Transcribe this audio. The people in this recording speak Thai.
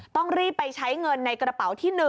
ต้องรีบไปใช้เงินในกระเป๋าที่๑